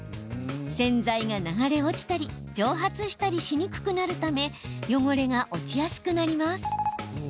洗剤が流れ落ちたり蒸発したりしにくくなるため汚れが落ちやすくなります。